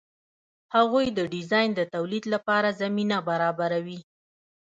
هغوی د ډیزاین د تولید لپاره زمینه برابروي.